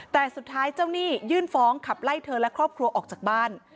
แต่สุดท้ายเจ้าหนี้ยื่นฟ้องขับไล่เธอและครอบครัวออกจากบ้าน